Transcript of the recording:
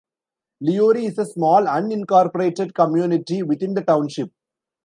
Leroy is a small unincorporated community within the township.